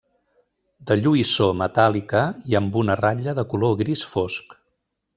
De lluïssor metàl·lica, i amb una ratlla de color gris fosc.